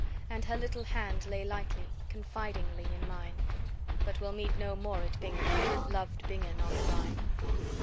And her little hand lay lightly, confidingly, in mine, But we'll meet no more at Bingen, loved Bingen on the Rhine."